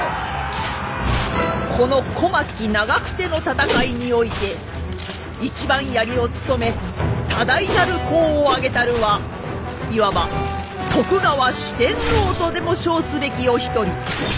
この小牧長久手の戦いにおいて一番槍を務め多大なる功をあげたるはいわば徳川四天王とでも称すべきお一人原康政でございます。